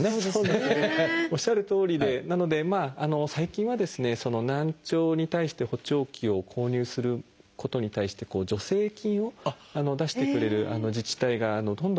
おっしゃるとおりでなので最近はですねその難聴に対して補聴器を購入することに対して助成金を出してくれる自治体がどんどん増えているような状況です。